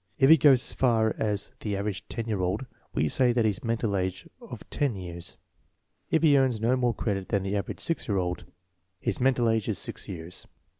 If he goes as far as the average ten year old, we say that he has a mental age of ten years. If he earns no more credit than the average six year old, <j BSTTELLIGENCE OF SCHOOL CHILDREN his mental age is six years.